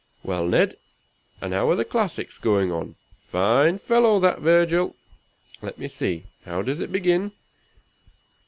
Well, Ned! and how are the classics going on? Fine fellow, that Virgil! Let me see, how does it begin?